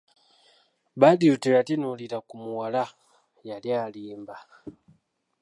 Badru teyatunuulira ku muwala yali ayimba.